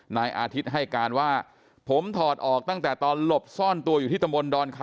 นายอาทิตย์ให้การว่าผมถอดออกตั้งแต่ตอนหลบซ่อนตัวอยู่ที่ตะมนต์ดอนคา